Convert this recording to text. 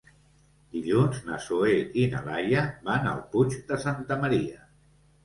Dilluns na Zoè i na Laia van al Puig de Santa Maria.